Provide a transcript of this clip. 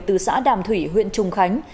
từ xã đàm thủy huyện trung khánh